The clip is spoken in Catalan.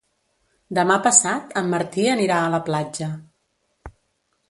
Demà passat en Martí anirà a la platja.